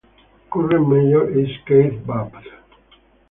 Current Mayor is Keith Babb.